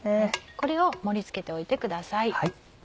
これを盛り付けておいてください。